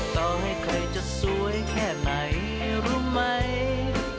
ต่อให้เคยจะสวยแค่ไหนรู้ไหม